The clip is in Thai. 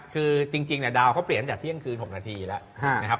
คือจริงดาวเขาเปลี่ยนจากเที่ยงคืน๖นาทีแล้ว